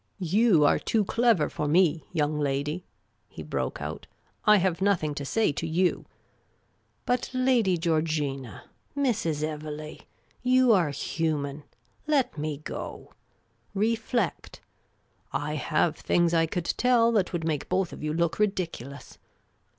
" You are too clever for me, young lady," he broke out. " I have nothing to say to you. But Lady Georgina, Mrs. Evelegh — you are human — let me go ! Reflect ; I have things I could tell that would make both of you look ridiculous.